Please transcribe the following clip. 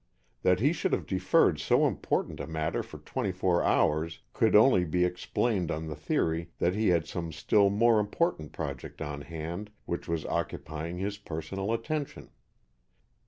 That he should have deferred so important a matter for twenty four hours could only be explained on the theory that he had some still more important project on hand which was occupying his personal attention.